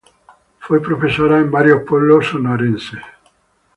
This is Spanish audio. Fue profesora en varios pueblos sonorenses.